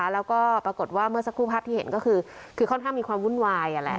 แล้วก็ปรากฏว่าเมื่อสักครู่ภาพที่เห็นก็คือค่อนข้างมีความวุ่นวาย